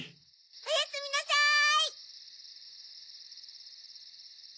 ・おやすみなさい！